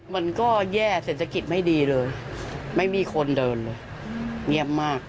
มันก็แย่เศรษฐกิจไม่ดีเลยไม่มีคนเดินเลยเงียบมาก